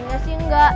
bener sih enggak